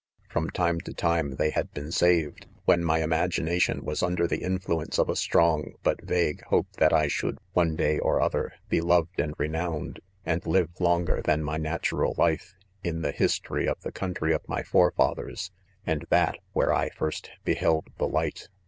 From time to time they had been saved, whem My imagination was under the influence of a strong but vague hope that I c should, one day or other, be loved and renowned 5 and live loit gei than my 'natural life, in .the history of the country of my forefathers, and that where I first beheld the light.